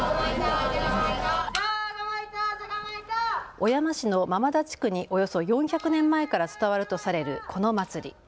小山市の間々田地区におよそ４００年前から伝わるとされるこの祭り。